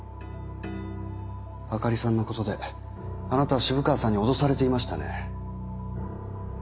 灯里さんのことであなたは渋川さんに脅されていましたね？